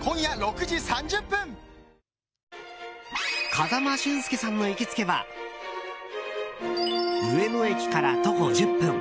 風間俊介さんの行きつけは上野駅から徒歩１０分。